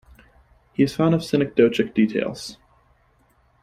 He is fond of synecdochic details.